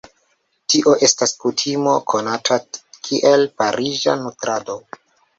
Tio estas kutimo konata kiel "pariĝa nutrado".